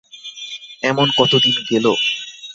এমন কত দিন গেল।